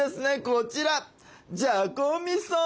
こちら！